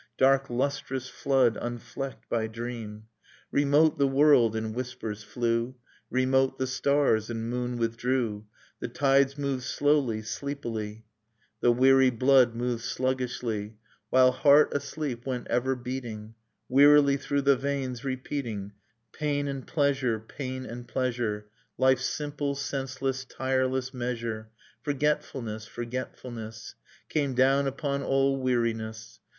Dark lustrous flood unflecked by dream. Remote the w^orld in whispers flew, Remote the stars and moon withdrew, The tides moved slowly, sleepily, The wear>^ blood moved sluggishly ; While heart, asleep, went ever beating, W'earily through the veins repeating Pain and pleasure, pain and pleasure. Life's simple, senseless, tireless measure Forget fulness, forgetfulness, Came down upon all weariness.